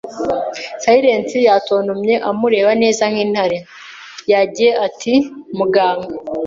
“Si-lence!” yatontomye amureba neza nk'intare. Yagiye ati: “Muganga.”